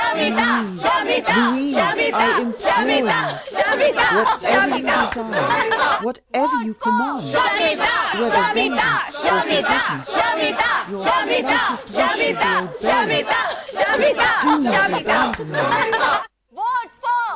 "Louise, Louise, I implore you! whatever you desire, whatever you command, whether vengeance or forgiveness, your slightest wish shall be obeyed, but do not abandon me."